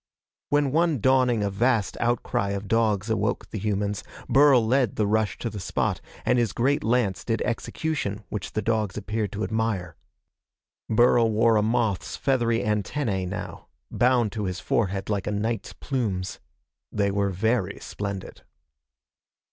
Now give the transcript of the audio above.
When one dawning a vast outcry of dogs awoke the humans, Burl led the rush to the spot, and his great lance did execution which the dogs appeared to admire. Burl wore a moth's feathery antennae, now, bound to his forehead like a knight's plumes. They were very splendid.